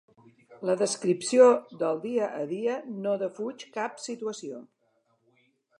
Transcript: La descripció del dia a dia no defuig cap situació.